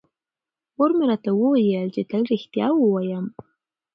مور مې راته وویل چې تل رښتیا ووایم.